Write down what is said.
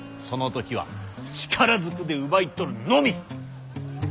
その時は力ずくで奪い取るのみ！